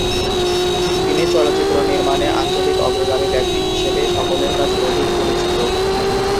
তিনি চলচ্চিত্র নির্মাণে "আঞ্চলিক অগ্রগামী ব্যক্তি" হিসেবে সকলের কাছে অধিক পরিচিত।